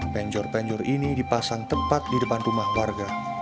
penjor penjor ini dipasang tepat di depan rumah warga